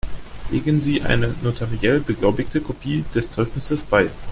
Legen Sie eine notariell beglaubigte Kopie des Zeugnisses bei.